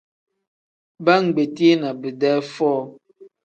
Baa ngbetii na bidee foo.